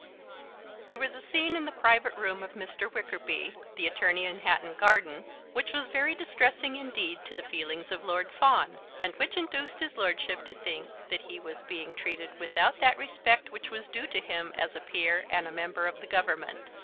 There was a scene in the private room of Mr. Wickerby, the attorney in Hatton Garden, which was very distressing indeed to the feelings of Lord Fawn, and which induced his lordship to think that he was being treated without that respect which was due to him as a peer and a member of the Government.